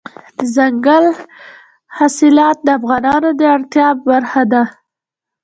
دځنګل حاصلات د افغانانو د ګټورتیا برخه ده.